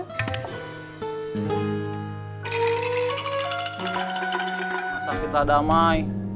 masah pitra damai